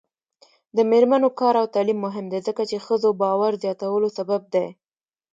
د میرمنو کار او تعلیم مهم دی ځکه چې ښځو باور زیاتولو سبب دی.